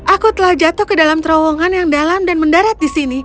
aku telah jatuh ke dalam terowongan yang dalam dan mendarat di sini